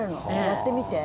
やってみて。